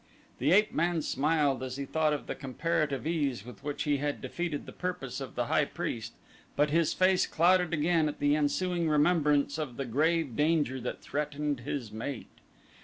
The ape man smiled as he thought of the comparative ease with which he had defeated the purpose of the high priest but his face clouded again at the ensuing remembrance of the grave danger that threatened his mate.